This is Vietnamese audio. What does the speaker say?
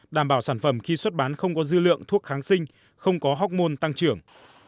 đảm bảo sản phẩm khi xuất bán không có dư lượng thuốc kháng sinh không có hóc môn tăng trưởng